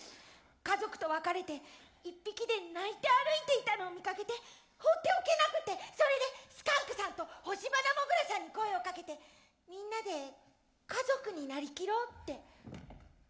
家族と別れて一匹で鳴いて歩いていたのを見かけて放っておけなくてそれでスカンクさんとホシバナモグラさんに声をかけてみんなで家族になりきろうって。